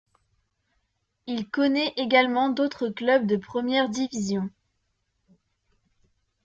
Il connaît également d'autres clubs de première division.